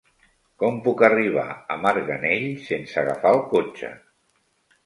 Com puc arribar a Marganell sense agafar el cotxe?